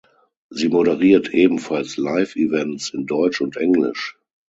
Sie moderiert ebenfalls Live-Events in Deutsch und Englisch.